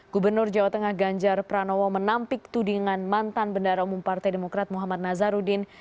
gubernur jawa tengah ganjar pranowo menampik tudingan mantan bendara umum partai demokrat muhammad nazarudin